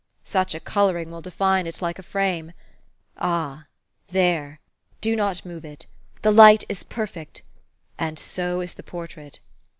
'' Such a coloring will define it like a frame. ... Ah ! There. Do not move it. The light is perfect and so is the portrait.